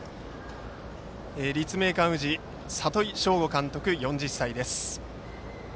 立命館宇治里井祥吾監督、４０歳です。